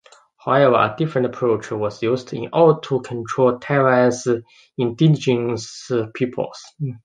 However, a different approach was used in order to control Taiwan's indigenous peoples.